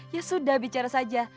ya sudah bicara saja